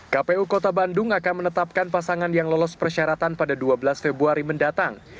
kpu kota bandung akan menetapkan pasangan yang lolos persyaratan pada dua belas februari mendatang